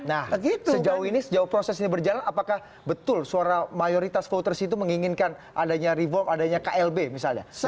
nah sejauh ini sejauh proses ini berjalan apakah betul suara mayoritas voters itu menginginkan adanya reform adanya klb misalnya